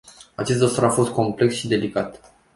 Acest dosar a fost complex și delicat.